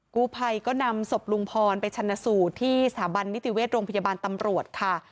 กู้ภัยก็นำศพลุงพรไปชนะสูตรที่สถาบันนิติเวชโรงพยาบาลตำรวจค่ะ